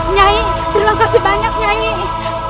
nyai terima kasih banyak nyanyi